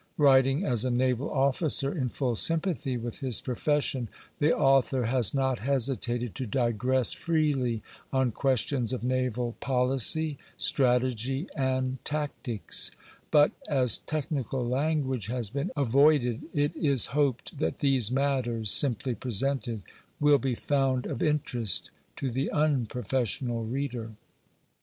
Writing as a naval officer in full sympathy with his profession, the author has not hesitated to digress freely on questions of naval policy, strategy, and tactics; but as technical language has been avoided, it is hoped that these matters, simply presented, will be found of interest to the unprofessional reader.